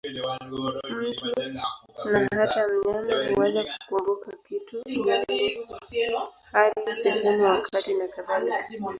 Mtu, na hata mnyama, huweza kukumbuka kitu, jambo, hali, sehemu, wakati nakadhalika.